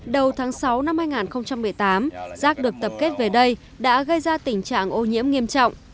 đầu tháng sáu năm hai nghìn một mươi tám rác được tập kết về đây đã gây ra tình trạng ô nhiễm nghiêm trọng